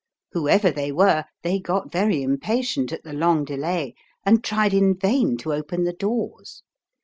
Whoever they were, they got very impatient at the long delay, and tried in vain to open the doors.